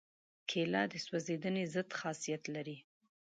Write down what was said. کېله د سوځېدنې ضد خاصیت لري.